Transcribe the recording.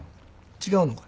違うのか？